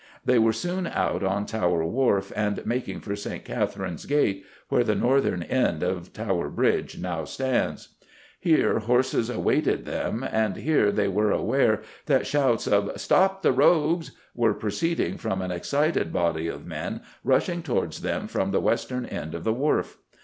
They were soon out on Tower Wharf and making for St. Catherine's Gate (where the northern end of Tower Bridge now stands). Here horses awaited them, and here they were aware that shouts of "Stop the rogues!" were proceeding from an excited body of men rushing towards them from the western end of the Wharf.